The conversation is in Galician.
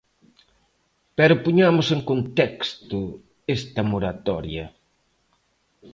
Pero poñamos en contexto esta moratoria.